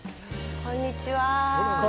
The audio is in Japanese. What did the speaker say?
こんにちは。